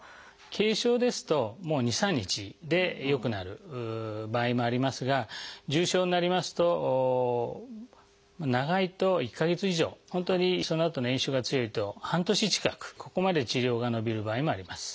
軽症ですと２３日で良くなる場合もありますが重症になりますと長いと１か月以上本当にそのあとの炎症が強いと半年近くここまで治療が延びる場合もあります。